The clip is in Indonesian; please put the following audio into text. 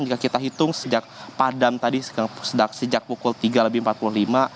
jika kita hitung sejak padam tadi sejak pukul tiga lebih empat puluh lima